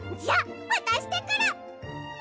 じゃあわたしてくる！